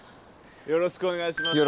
よろしくお願いします。